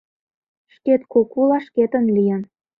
Шкет кукула шкетын лийын